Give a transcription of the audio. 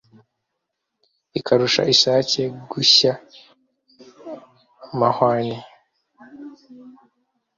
Ikarusha isake gushya mahwane